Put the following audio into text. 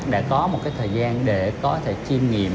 đã có một cái thời gian để có thể chiêm nghiệm